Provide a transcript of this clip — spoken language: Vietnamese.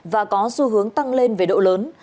và có xu hướng tăng lên về độ lớn